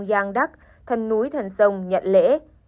giang đắc thân núi thần sông nhận lễ